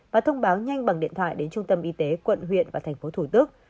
và thông báo nhanh bằng điện thoại đến trung tâm y tế quận huyện và thành phố thủ đức